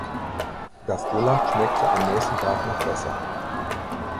Das Gulasch schmeckte am nächsten Tag noch besser.